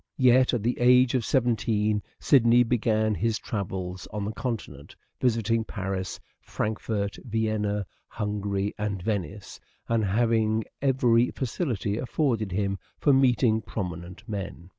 Yet, at the age of seventeen, Sidney began his travels on the Continent, visiting Paris, Frankfort, Vienna Hungary and Venice, and having every facility afforded him for meeting prominent men.